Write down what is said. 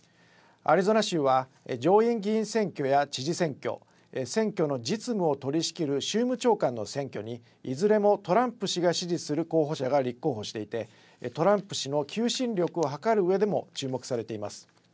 アリゾナ州は上院議員選挙や知事選挙、選挙の実務を取りしきる州務長官の選挙にいずれもトランプ氏が支持する候補者が立候補していてトランプ氏の求心力をはかるうえでも注目されています。